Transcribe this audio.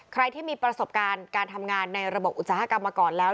ใครที่มีประสบการณ์การทำงานในระบบอุตสาหกรรมมาก่อนแล้ว